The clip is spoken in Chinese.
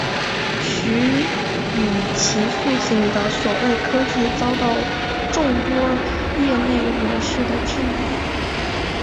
徐与其父亲的所谓科技遭到众多业内人士的质疑。